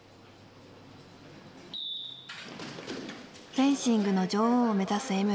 フェンシングの女王を目指す江村。